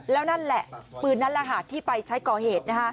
แล้วนั่นแหละปืนนั้นแหละค่ะที่ไปใช้ก่อเหตุ